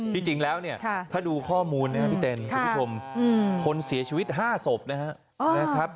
จริงแล้วเนี่ยถ้าดูข้อมูลนะครับพี่เต้นคุณผู้ชมคนเสียชีวิต๕ศพนะครับ